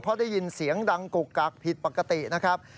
เพราะได้ยินเสียงดังกุกกักผิดปกตินะครับ